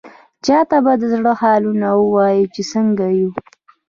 چا ته به د زړه حالونه ووايو، چې څنګه يو؟!